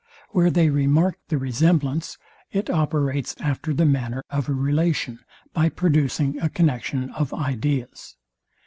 Where they remark the resemblance, it operates after the manner of a relation, by producing a connexion of ideas.